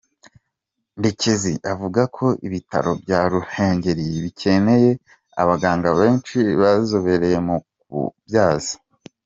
Ndekezi avuga ko ibitaro bya Ruhengeri bikeneye abaganga benshi bazobereye mu kubyaza.